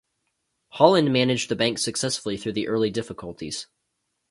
Holland managed the bank successfully through the early difficulties.